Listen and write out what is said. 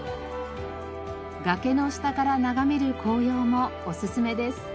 崖の下から眺める紅葉もおすすめです。